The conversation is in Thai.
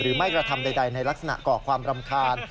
ไม่กระทำใดในลักษณะก่อความรำคาญ